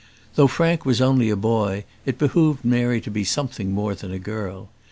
Though Frank was only a boy, it behoved Mary to be something more than a girl.